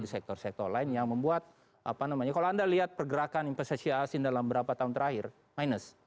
di sektor sektor lain yang membuat apa namanya kalau anda lihat pergerakan investasi asing dalam berapa tahun terakhir minus